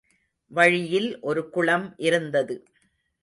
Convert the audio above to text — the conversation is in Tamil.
வழியில் ஒரு குளம் இருந்தது.